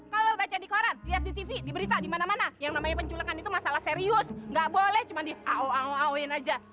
kalau lo baca di koran dilihat di tv di berita di mana mana yang namanya penculikan itu masalah serius nggak boleh cuma diao ao aoin aja